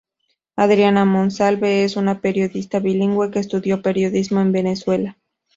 Adriana Monsalve es una periodista Bilingüe, que estudió periodismo en Venezuela.